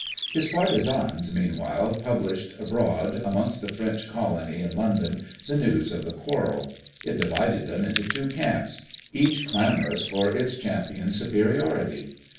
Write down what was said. His partisans meanwhile published abroad amongst the French colony in London the news of the quarrel. It divided them into two camps, each clamorous for its champion's superiority.